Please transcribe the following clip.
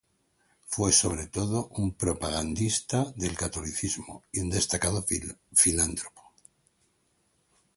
Fue sobre todo un propagandista del catolicismo y un destacado filántropo.